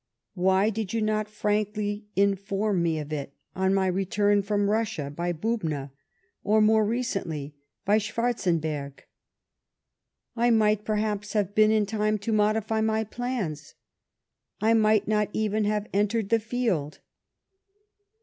Why did you not frardvly inform me of it on my return from Russia, by Bubna, or, more recently, by Schwarzenberg? I might, perhaps, liave been in time to modify my plans ; I might not even have entered the field.